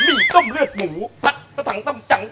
มีต้มเลือดหมูผัดกระถังต้มจัง